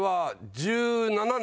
１７年！？